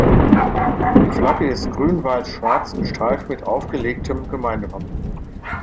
Die Flagge ist Grün-Weiß-Schwarz gestreift mit aufgelegtem Gemeindewappen.